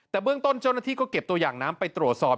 แต่เบื้องต้นเจ้าหน้าที่ก็เก็บตัวอย่างน้ำไปตรวจสอบ